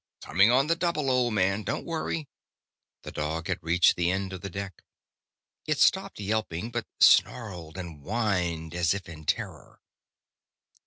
"Coming on the double, old man. Don't worry." The dog had reached the end of the deck. It stopped yelping, but snarled and whined as if in terror.